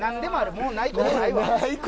もうないことない。